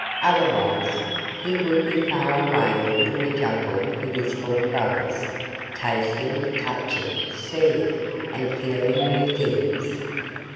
Otherwise, he would be far away in the Jungle with his four brothers, tasting, touching, seeing, and feeling new things.